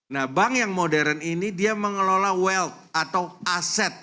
nah bank yang modern ini dia mengelola weld atau aset